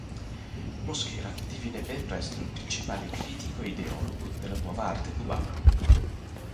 Mosquera diviene ben presto il principale critico e ideologo della nuova arte cubana.